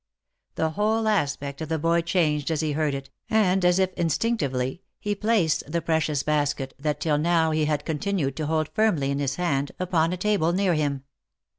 The whole aspect of the boy changed as he heard it, and, as if instinctively, he placed the precious basket, that till now he had continued to hold firmly in his hand, upon a table near him.